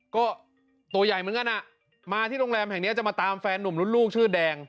ก็ตัวใหญ่เหมือนกันอ่ะมาที่โรงแรมแห่งนี้จะมาตามแฟนหนุ่มรุ่นลูกชื่อแดง